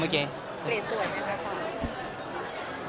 เปลี่ยนสวยไหมครับมัน